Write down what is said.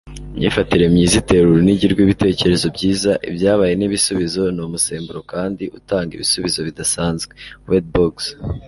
imyifatire myiza itera urunigi rw'ibitekerezo byiza, ibyabaye n'ibisubizo. ni umusemburo kandi utanga ibisubizo bidasanzwe. - wade boggs